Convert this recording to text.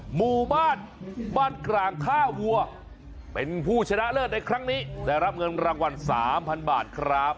หมู่บ้านบ้านกลางท่าวัวเป็นผู้ชนะเลิศในครั้งนี้ได้รับเงินรางวัล๓๐๐บาทครับ